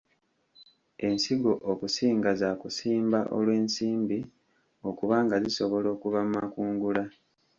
Ensigo okusinga za kusimba olw'ensimbi okuba nga zisobola okuva mu makungula.